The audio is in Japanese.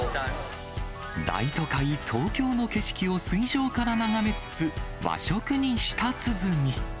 大都会、東京の景色を水上から眺めつつ、和食に舌鼓。